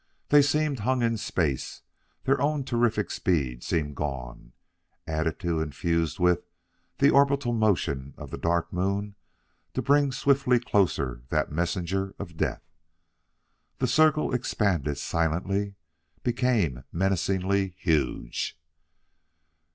They seemed hung in space; their own terrific speed seemed gone added to and fused with the orbital motion of the Dark Moon to bring swiftly closer that messenger of death. The circle expanded silently; became menacingly huge.